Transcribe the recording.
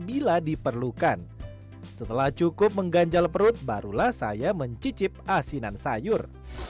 bila diperlukan setelah cukup mengganjal perut barulah saya mencicip asinan sayur